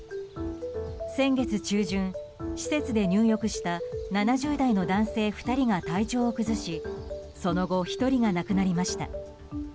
先月中旬、施設で入浴した７０代の男性２人が体調を崩しその後、１人が亡くなりました。